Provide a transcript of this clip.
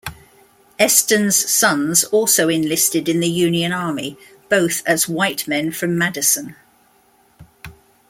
Eston's sons also enlisted in the Union Army, both as white men from Madison.